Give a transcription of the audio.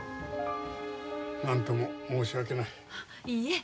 なんとも申し訳ない。